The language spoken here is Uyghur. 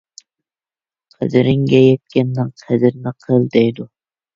قەدرىڭگە يەتكەننىڭ قەدرىنى قىل دەيدۇ.